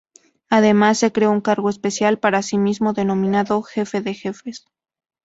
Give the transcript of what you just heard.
Además, se creó un cargo especial para sí mismo, denominado "Jefe de jefes".